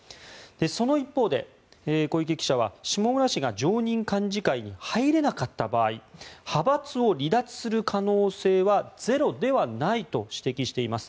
その一方で小池記者は下村氏が常任幹事会に入れなかった場合派閥を離脱する可能性はゼロではないと指摘しています。